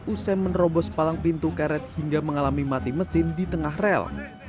usai menerobos palang pintu karet hingga mengalami mati mesin di tengah rel